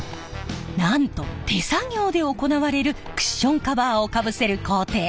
なんと手作業で行われるクッションカバーをかぶせる工程。